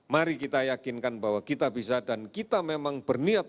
mari kita yakinkan bahwa kita bisa dan kita memang berniat